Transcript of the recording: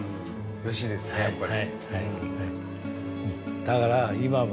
うれしいですねやっぱり。